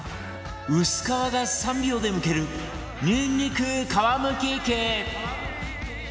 薄皮が３秒でむけるにんにく皮むき器